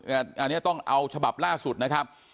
อันนี้ต้องเอาฉบับล่าสุดนะครับ